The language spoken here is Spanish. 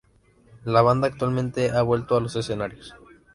La banda actualmente ha vuelto a los escenarios.